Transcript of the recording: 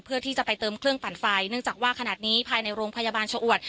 เพื่อที่จะไปเติมเครื่องปั่นไฟเนื่องจากว่าขณะนี้ภายในโรงพยาบาลชะอวด